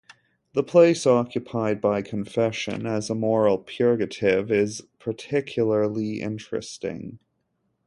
The place occupied by confession as a moral purgative is particularly interesting.